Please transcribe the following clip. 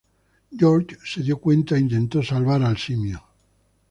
George se dio cuenta e intentó salvar al simio.